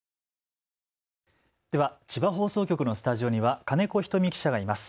では千葉放送局のスタジオには金子ひとみ記者がいます。